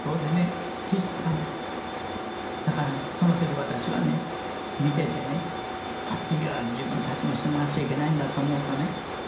だからねそのとき私はね見ていてね「次は自分たちも死ななくちゃいけないんだ」と思うとね。